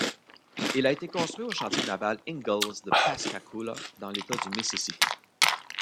Il a été construit au chantier naval Ingalls de Pascagoula dans l'État du Mississippi.